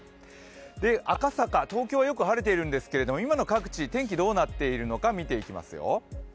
赤坂、東京は、よく晴れているんですけれども今の各地、天気どうなっているのか見ていきますよ。